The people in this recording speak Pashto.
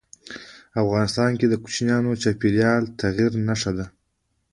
افغانستان کې کوچیان د چاپېریال د تغیر نښه ده.